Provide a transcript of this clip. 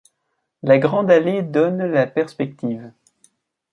La grande allée donne la perspective.